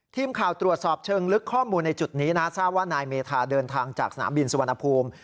ทีมข่าวตรวจสอบเชิงลึกข้อมูลในจุดนี้นะทราบว่านายเมธาเดินทางจากสนามบินสุวรรณภูมิ